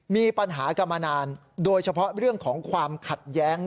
มีปัญหากันมานานโดยเฉพาะเรื่องของความขัดแย้ง